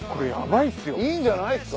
いいんじゃないですか？